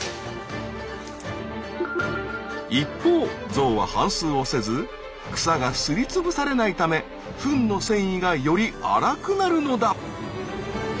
一方ゾウは反すうをせず草がすりつぶされないためフンの繊維がより粗くなるのだ。